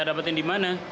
dapatin di mana